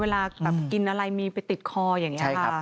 เวลากินอะไรมีไปติดคออย่างนี้